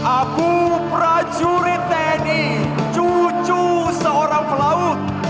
aku prajurit tni cucu seorang pelaut